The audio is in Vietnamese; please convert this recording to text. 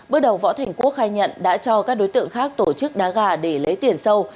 bước đầu võ thành quốc khai nhận đã cho các đối tượng khác tổ chức đá gà để lấy tiền sâu